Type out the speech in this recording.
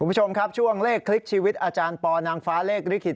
คุณผู้ชมครับช่วงเลขคลิกชีวิตอาจารย์ปอนางฟ้าเลขริขิต